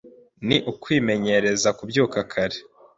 ni ukwimenyereza kubyuka kare.